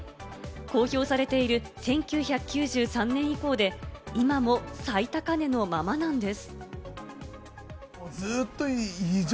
公表されている１９９３年以降で、今も最高値のままなんです。